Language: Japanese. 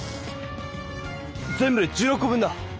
全部で１６こ分だ！